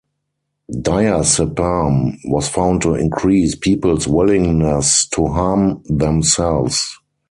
Diazepam was found to increase people's willingness to harm themselves.